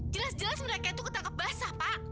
jelas jelas mereka itu ketangkap basah pak